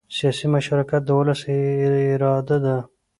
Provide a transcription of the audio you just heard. سیاسي مشارکت د ولس اراده ده